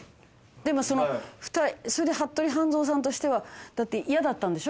でもそれで服部半蔵さんとしては嫌だったんでしょ？